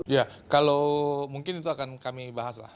ya kalau mungkin itu akan kami bahas lah